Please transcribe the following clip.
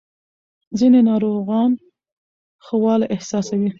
ځینې ناروغان ښه والی احساسوي.